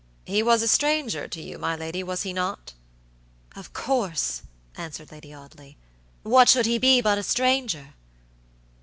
"He was a stranger to you, my lady, was he not?" "Of course!" answered Lady Audley. "What should he be but a stranger?"